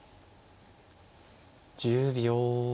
１０秒。